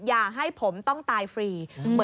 อย่าให้ผมต้องตายฟรี